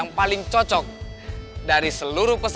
gue tunggu ya